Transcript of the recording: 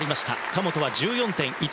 神本は１４．１６６。